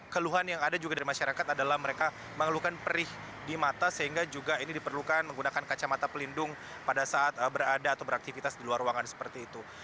keluhan yang ada juga dari masyarakat adalah mereka mengeluhkan perih di mata sehingga juga ini diperlukan menggunakan kacamata pelindung pada saat berada atau beraktivitas di luar ruangan seperti itu